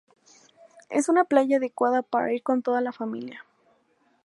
Es una playa adecuada para ir con toda la familia.